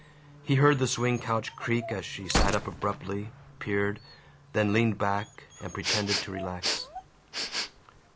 He heard the swing couch creak as she sat up abruptly, peered, then leaned back and pretended to relax.